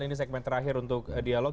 ini segmen terakhir untuk dialog